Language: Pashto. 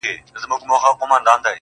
o چي لمن د شپې خورېږي ورځ تېرېږي.